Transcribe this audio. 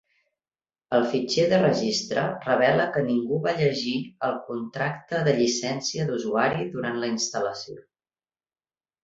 El fitxer de registre revela que ningú va llegir el contracte de llicència d'usuari durant la instal·lació.